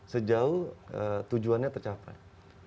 sejauh tujuannya tercapai